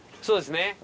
そうですね。